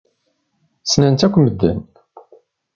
Ssnen-tt akk medden.